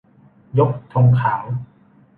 ยกธงขาว